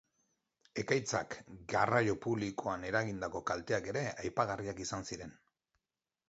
Ekaitzak garraio publikoan eragindako kalteak ere aipagarriak izan ziren.